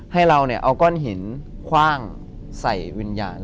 ให้เราเอาก้อนหินคว่างใส่วิญญาณ